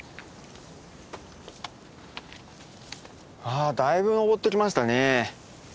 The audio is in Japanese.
あだいぶ登ってきましたね。